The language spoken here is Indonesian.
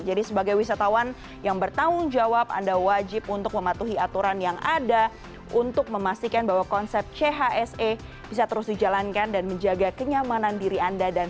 jadi sebagai wisatawan yang bertanggung jawab anda wajib untuk mematuhi aturan yang ada untuk memastikan bahwa konsep chse bisa terus dijalankan dan menjaga kenyamanan diri anda